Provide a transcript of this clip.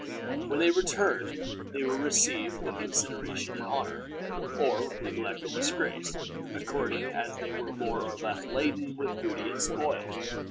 When they returned they were received with consideration and honor, or with neglect and disgrace, according as they were more or less laden with booty and spoil.